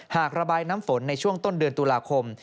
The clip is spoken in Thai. หากระบายน้ำฝนในช่วงต้นเดือนตุลาคม